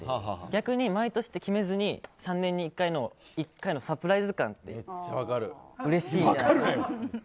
逆に毎年って決めずに３年に１回のサプライズ感とかあったらうれしいなと。